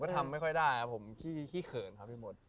ผมก็ทำไม่ค่อยได้ผมขี้เขินครับที่หมด